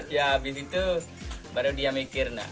ya abis itu baru dia mikir